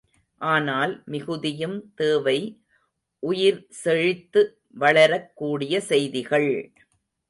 ஆனால், மிகுதியும் தேவை உயிர் செழித்து வளரக் கூடிய செய்திகள்!